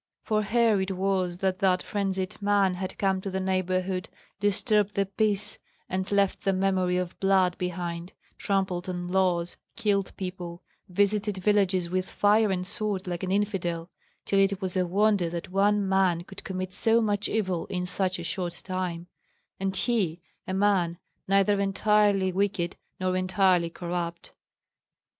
For her it was that that frenzied man had come to the neighborhood, disturbed the peace, and left the memory of blood behind, trampled on laws, killed people, visited villages with fire and sword like an infidel, till it was a wonder that one man could commit so much evil in such a short time, and he a man neither entirely wicked nor entirely corrupt.